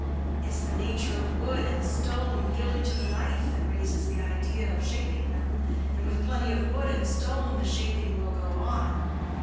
It's the nature of wood and stone yielding to the knife that raises the idea of shaping them, and with plenty of wood and stone the shaping will go on.